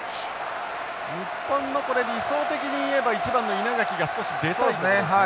日本の理想的に言えば１番の稲垣が少し出たいところですか？